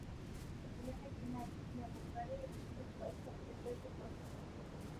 Estudió medicina en Sofía, Bulgaria, y regresó a su país para ejercer su profesión.